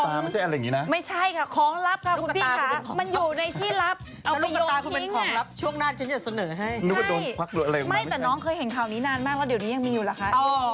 แต่น้องเห็นข่าวนี้นานมากเดี๋ยวนี้ยังมีอยู่ละคะ